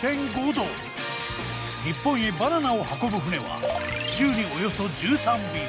日本へバナナを運ぶ船は週におよそ１３便。